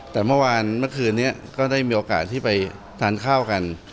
แต่เมื่อวานเมื่อคืนนี้ก็ได้มีโอกาสที่ไปทานข้าวกัน